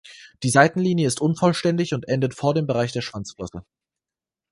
Die Seitenlinie ist unvollständig und endet vor dem Bereich der Schwanzflosse.